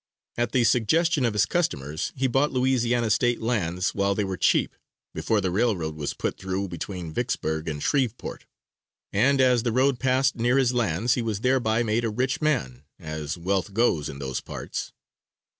At the suggestion of his customers he bought Louisiana state lands while they were cheap, before the railroad was put through between Vicksburg and Shreveport; and as the road passed near his lands he was thereby made a rich man, as wealth goes in those parts.